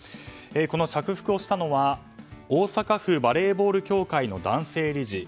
着服したのは大阪府バレーボール協会の男性理事。